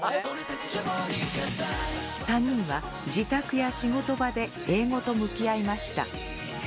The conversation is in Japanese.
３人は自宅や仕事場で英語と向き合いました。